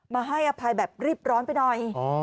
มาให้อภัยแบบรีบร้อนไปหน่อย